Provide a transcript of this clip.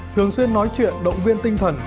thường xuyên nói chuyện động viên tinh thần